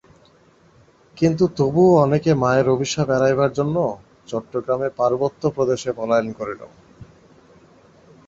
কিন্তু তবুও অনেকে মায়ের অভিশাপ এড়াইবার জন্য চ-গ্রামে পার্বত্য প্রদেশে পলায়ন করিল।